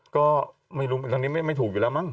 ก็ไม่รู้ตอนนี้ไม่ถูกอยู่แล้วมั้ง